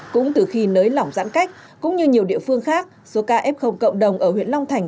cũng từ khi nới lỏng giãn cách cũng như nhiều địa phương khác số ca f cộng đồng ở huyện long thành